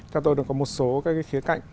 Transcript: theo tôi thì có một số cái khía cạnh